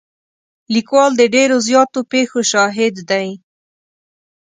لیکوال د ډېرو زیاتو پېښو شاهد دی.